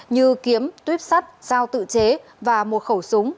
như kiếm tuyếp sắt dao tự chế và một khẩu súng